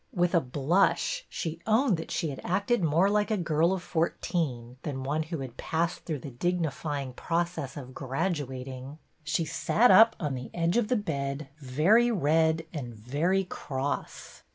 With a blush she owned that she had acted more like a girl of fourteen than one who had passed through the dignifying process of graduating. She sat up on the edge of the bed, very red and very cross.